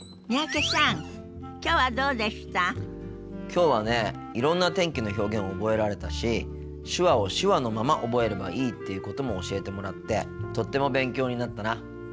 きょうはねいろんな天気の表現覚えられたし手話を手話のまま覚えればいいっていうことも教えてもらってとっても勉強になったな。